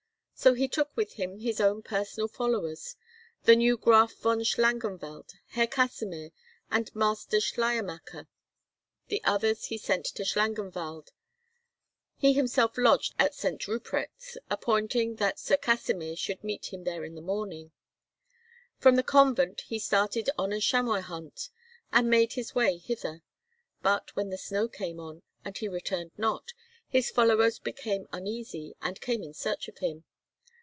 So he took with him his own personal followers, the new Graf von Schlangenwald, Herr Kasimir, and Master Schleiermacher. The others he sent to Schlangenwald; he himself lodged at St. Ruprecht's, appointing that Sir Kasimir should meet him there this morning. From the convent he started on a chamois hunt, and made his way hither; but, when the snow came on, and he returned not, his followers became uneasy, and came in search of him."